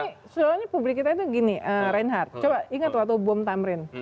soalnya publik kita ini soalnya publik kita ini gini reinhardt coba ingat waktu bom tamrin